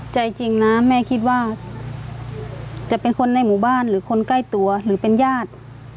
ใจจริงนะแม่คิดว่าจะเป็นคนในหมู่บ้านหรือคนใกล้ตัวหรือเป็นญาติ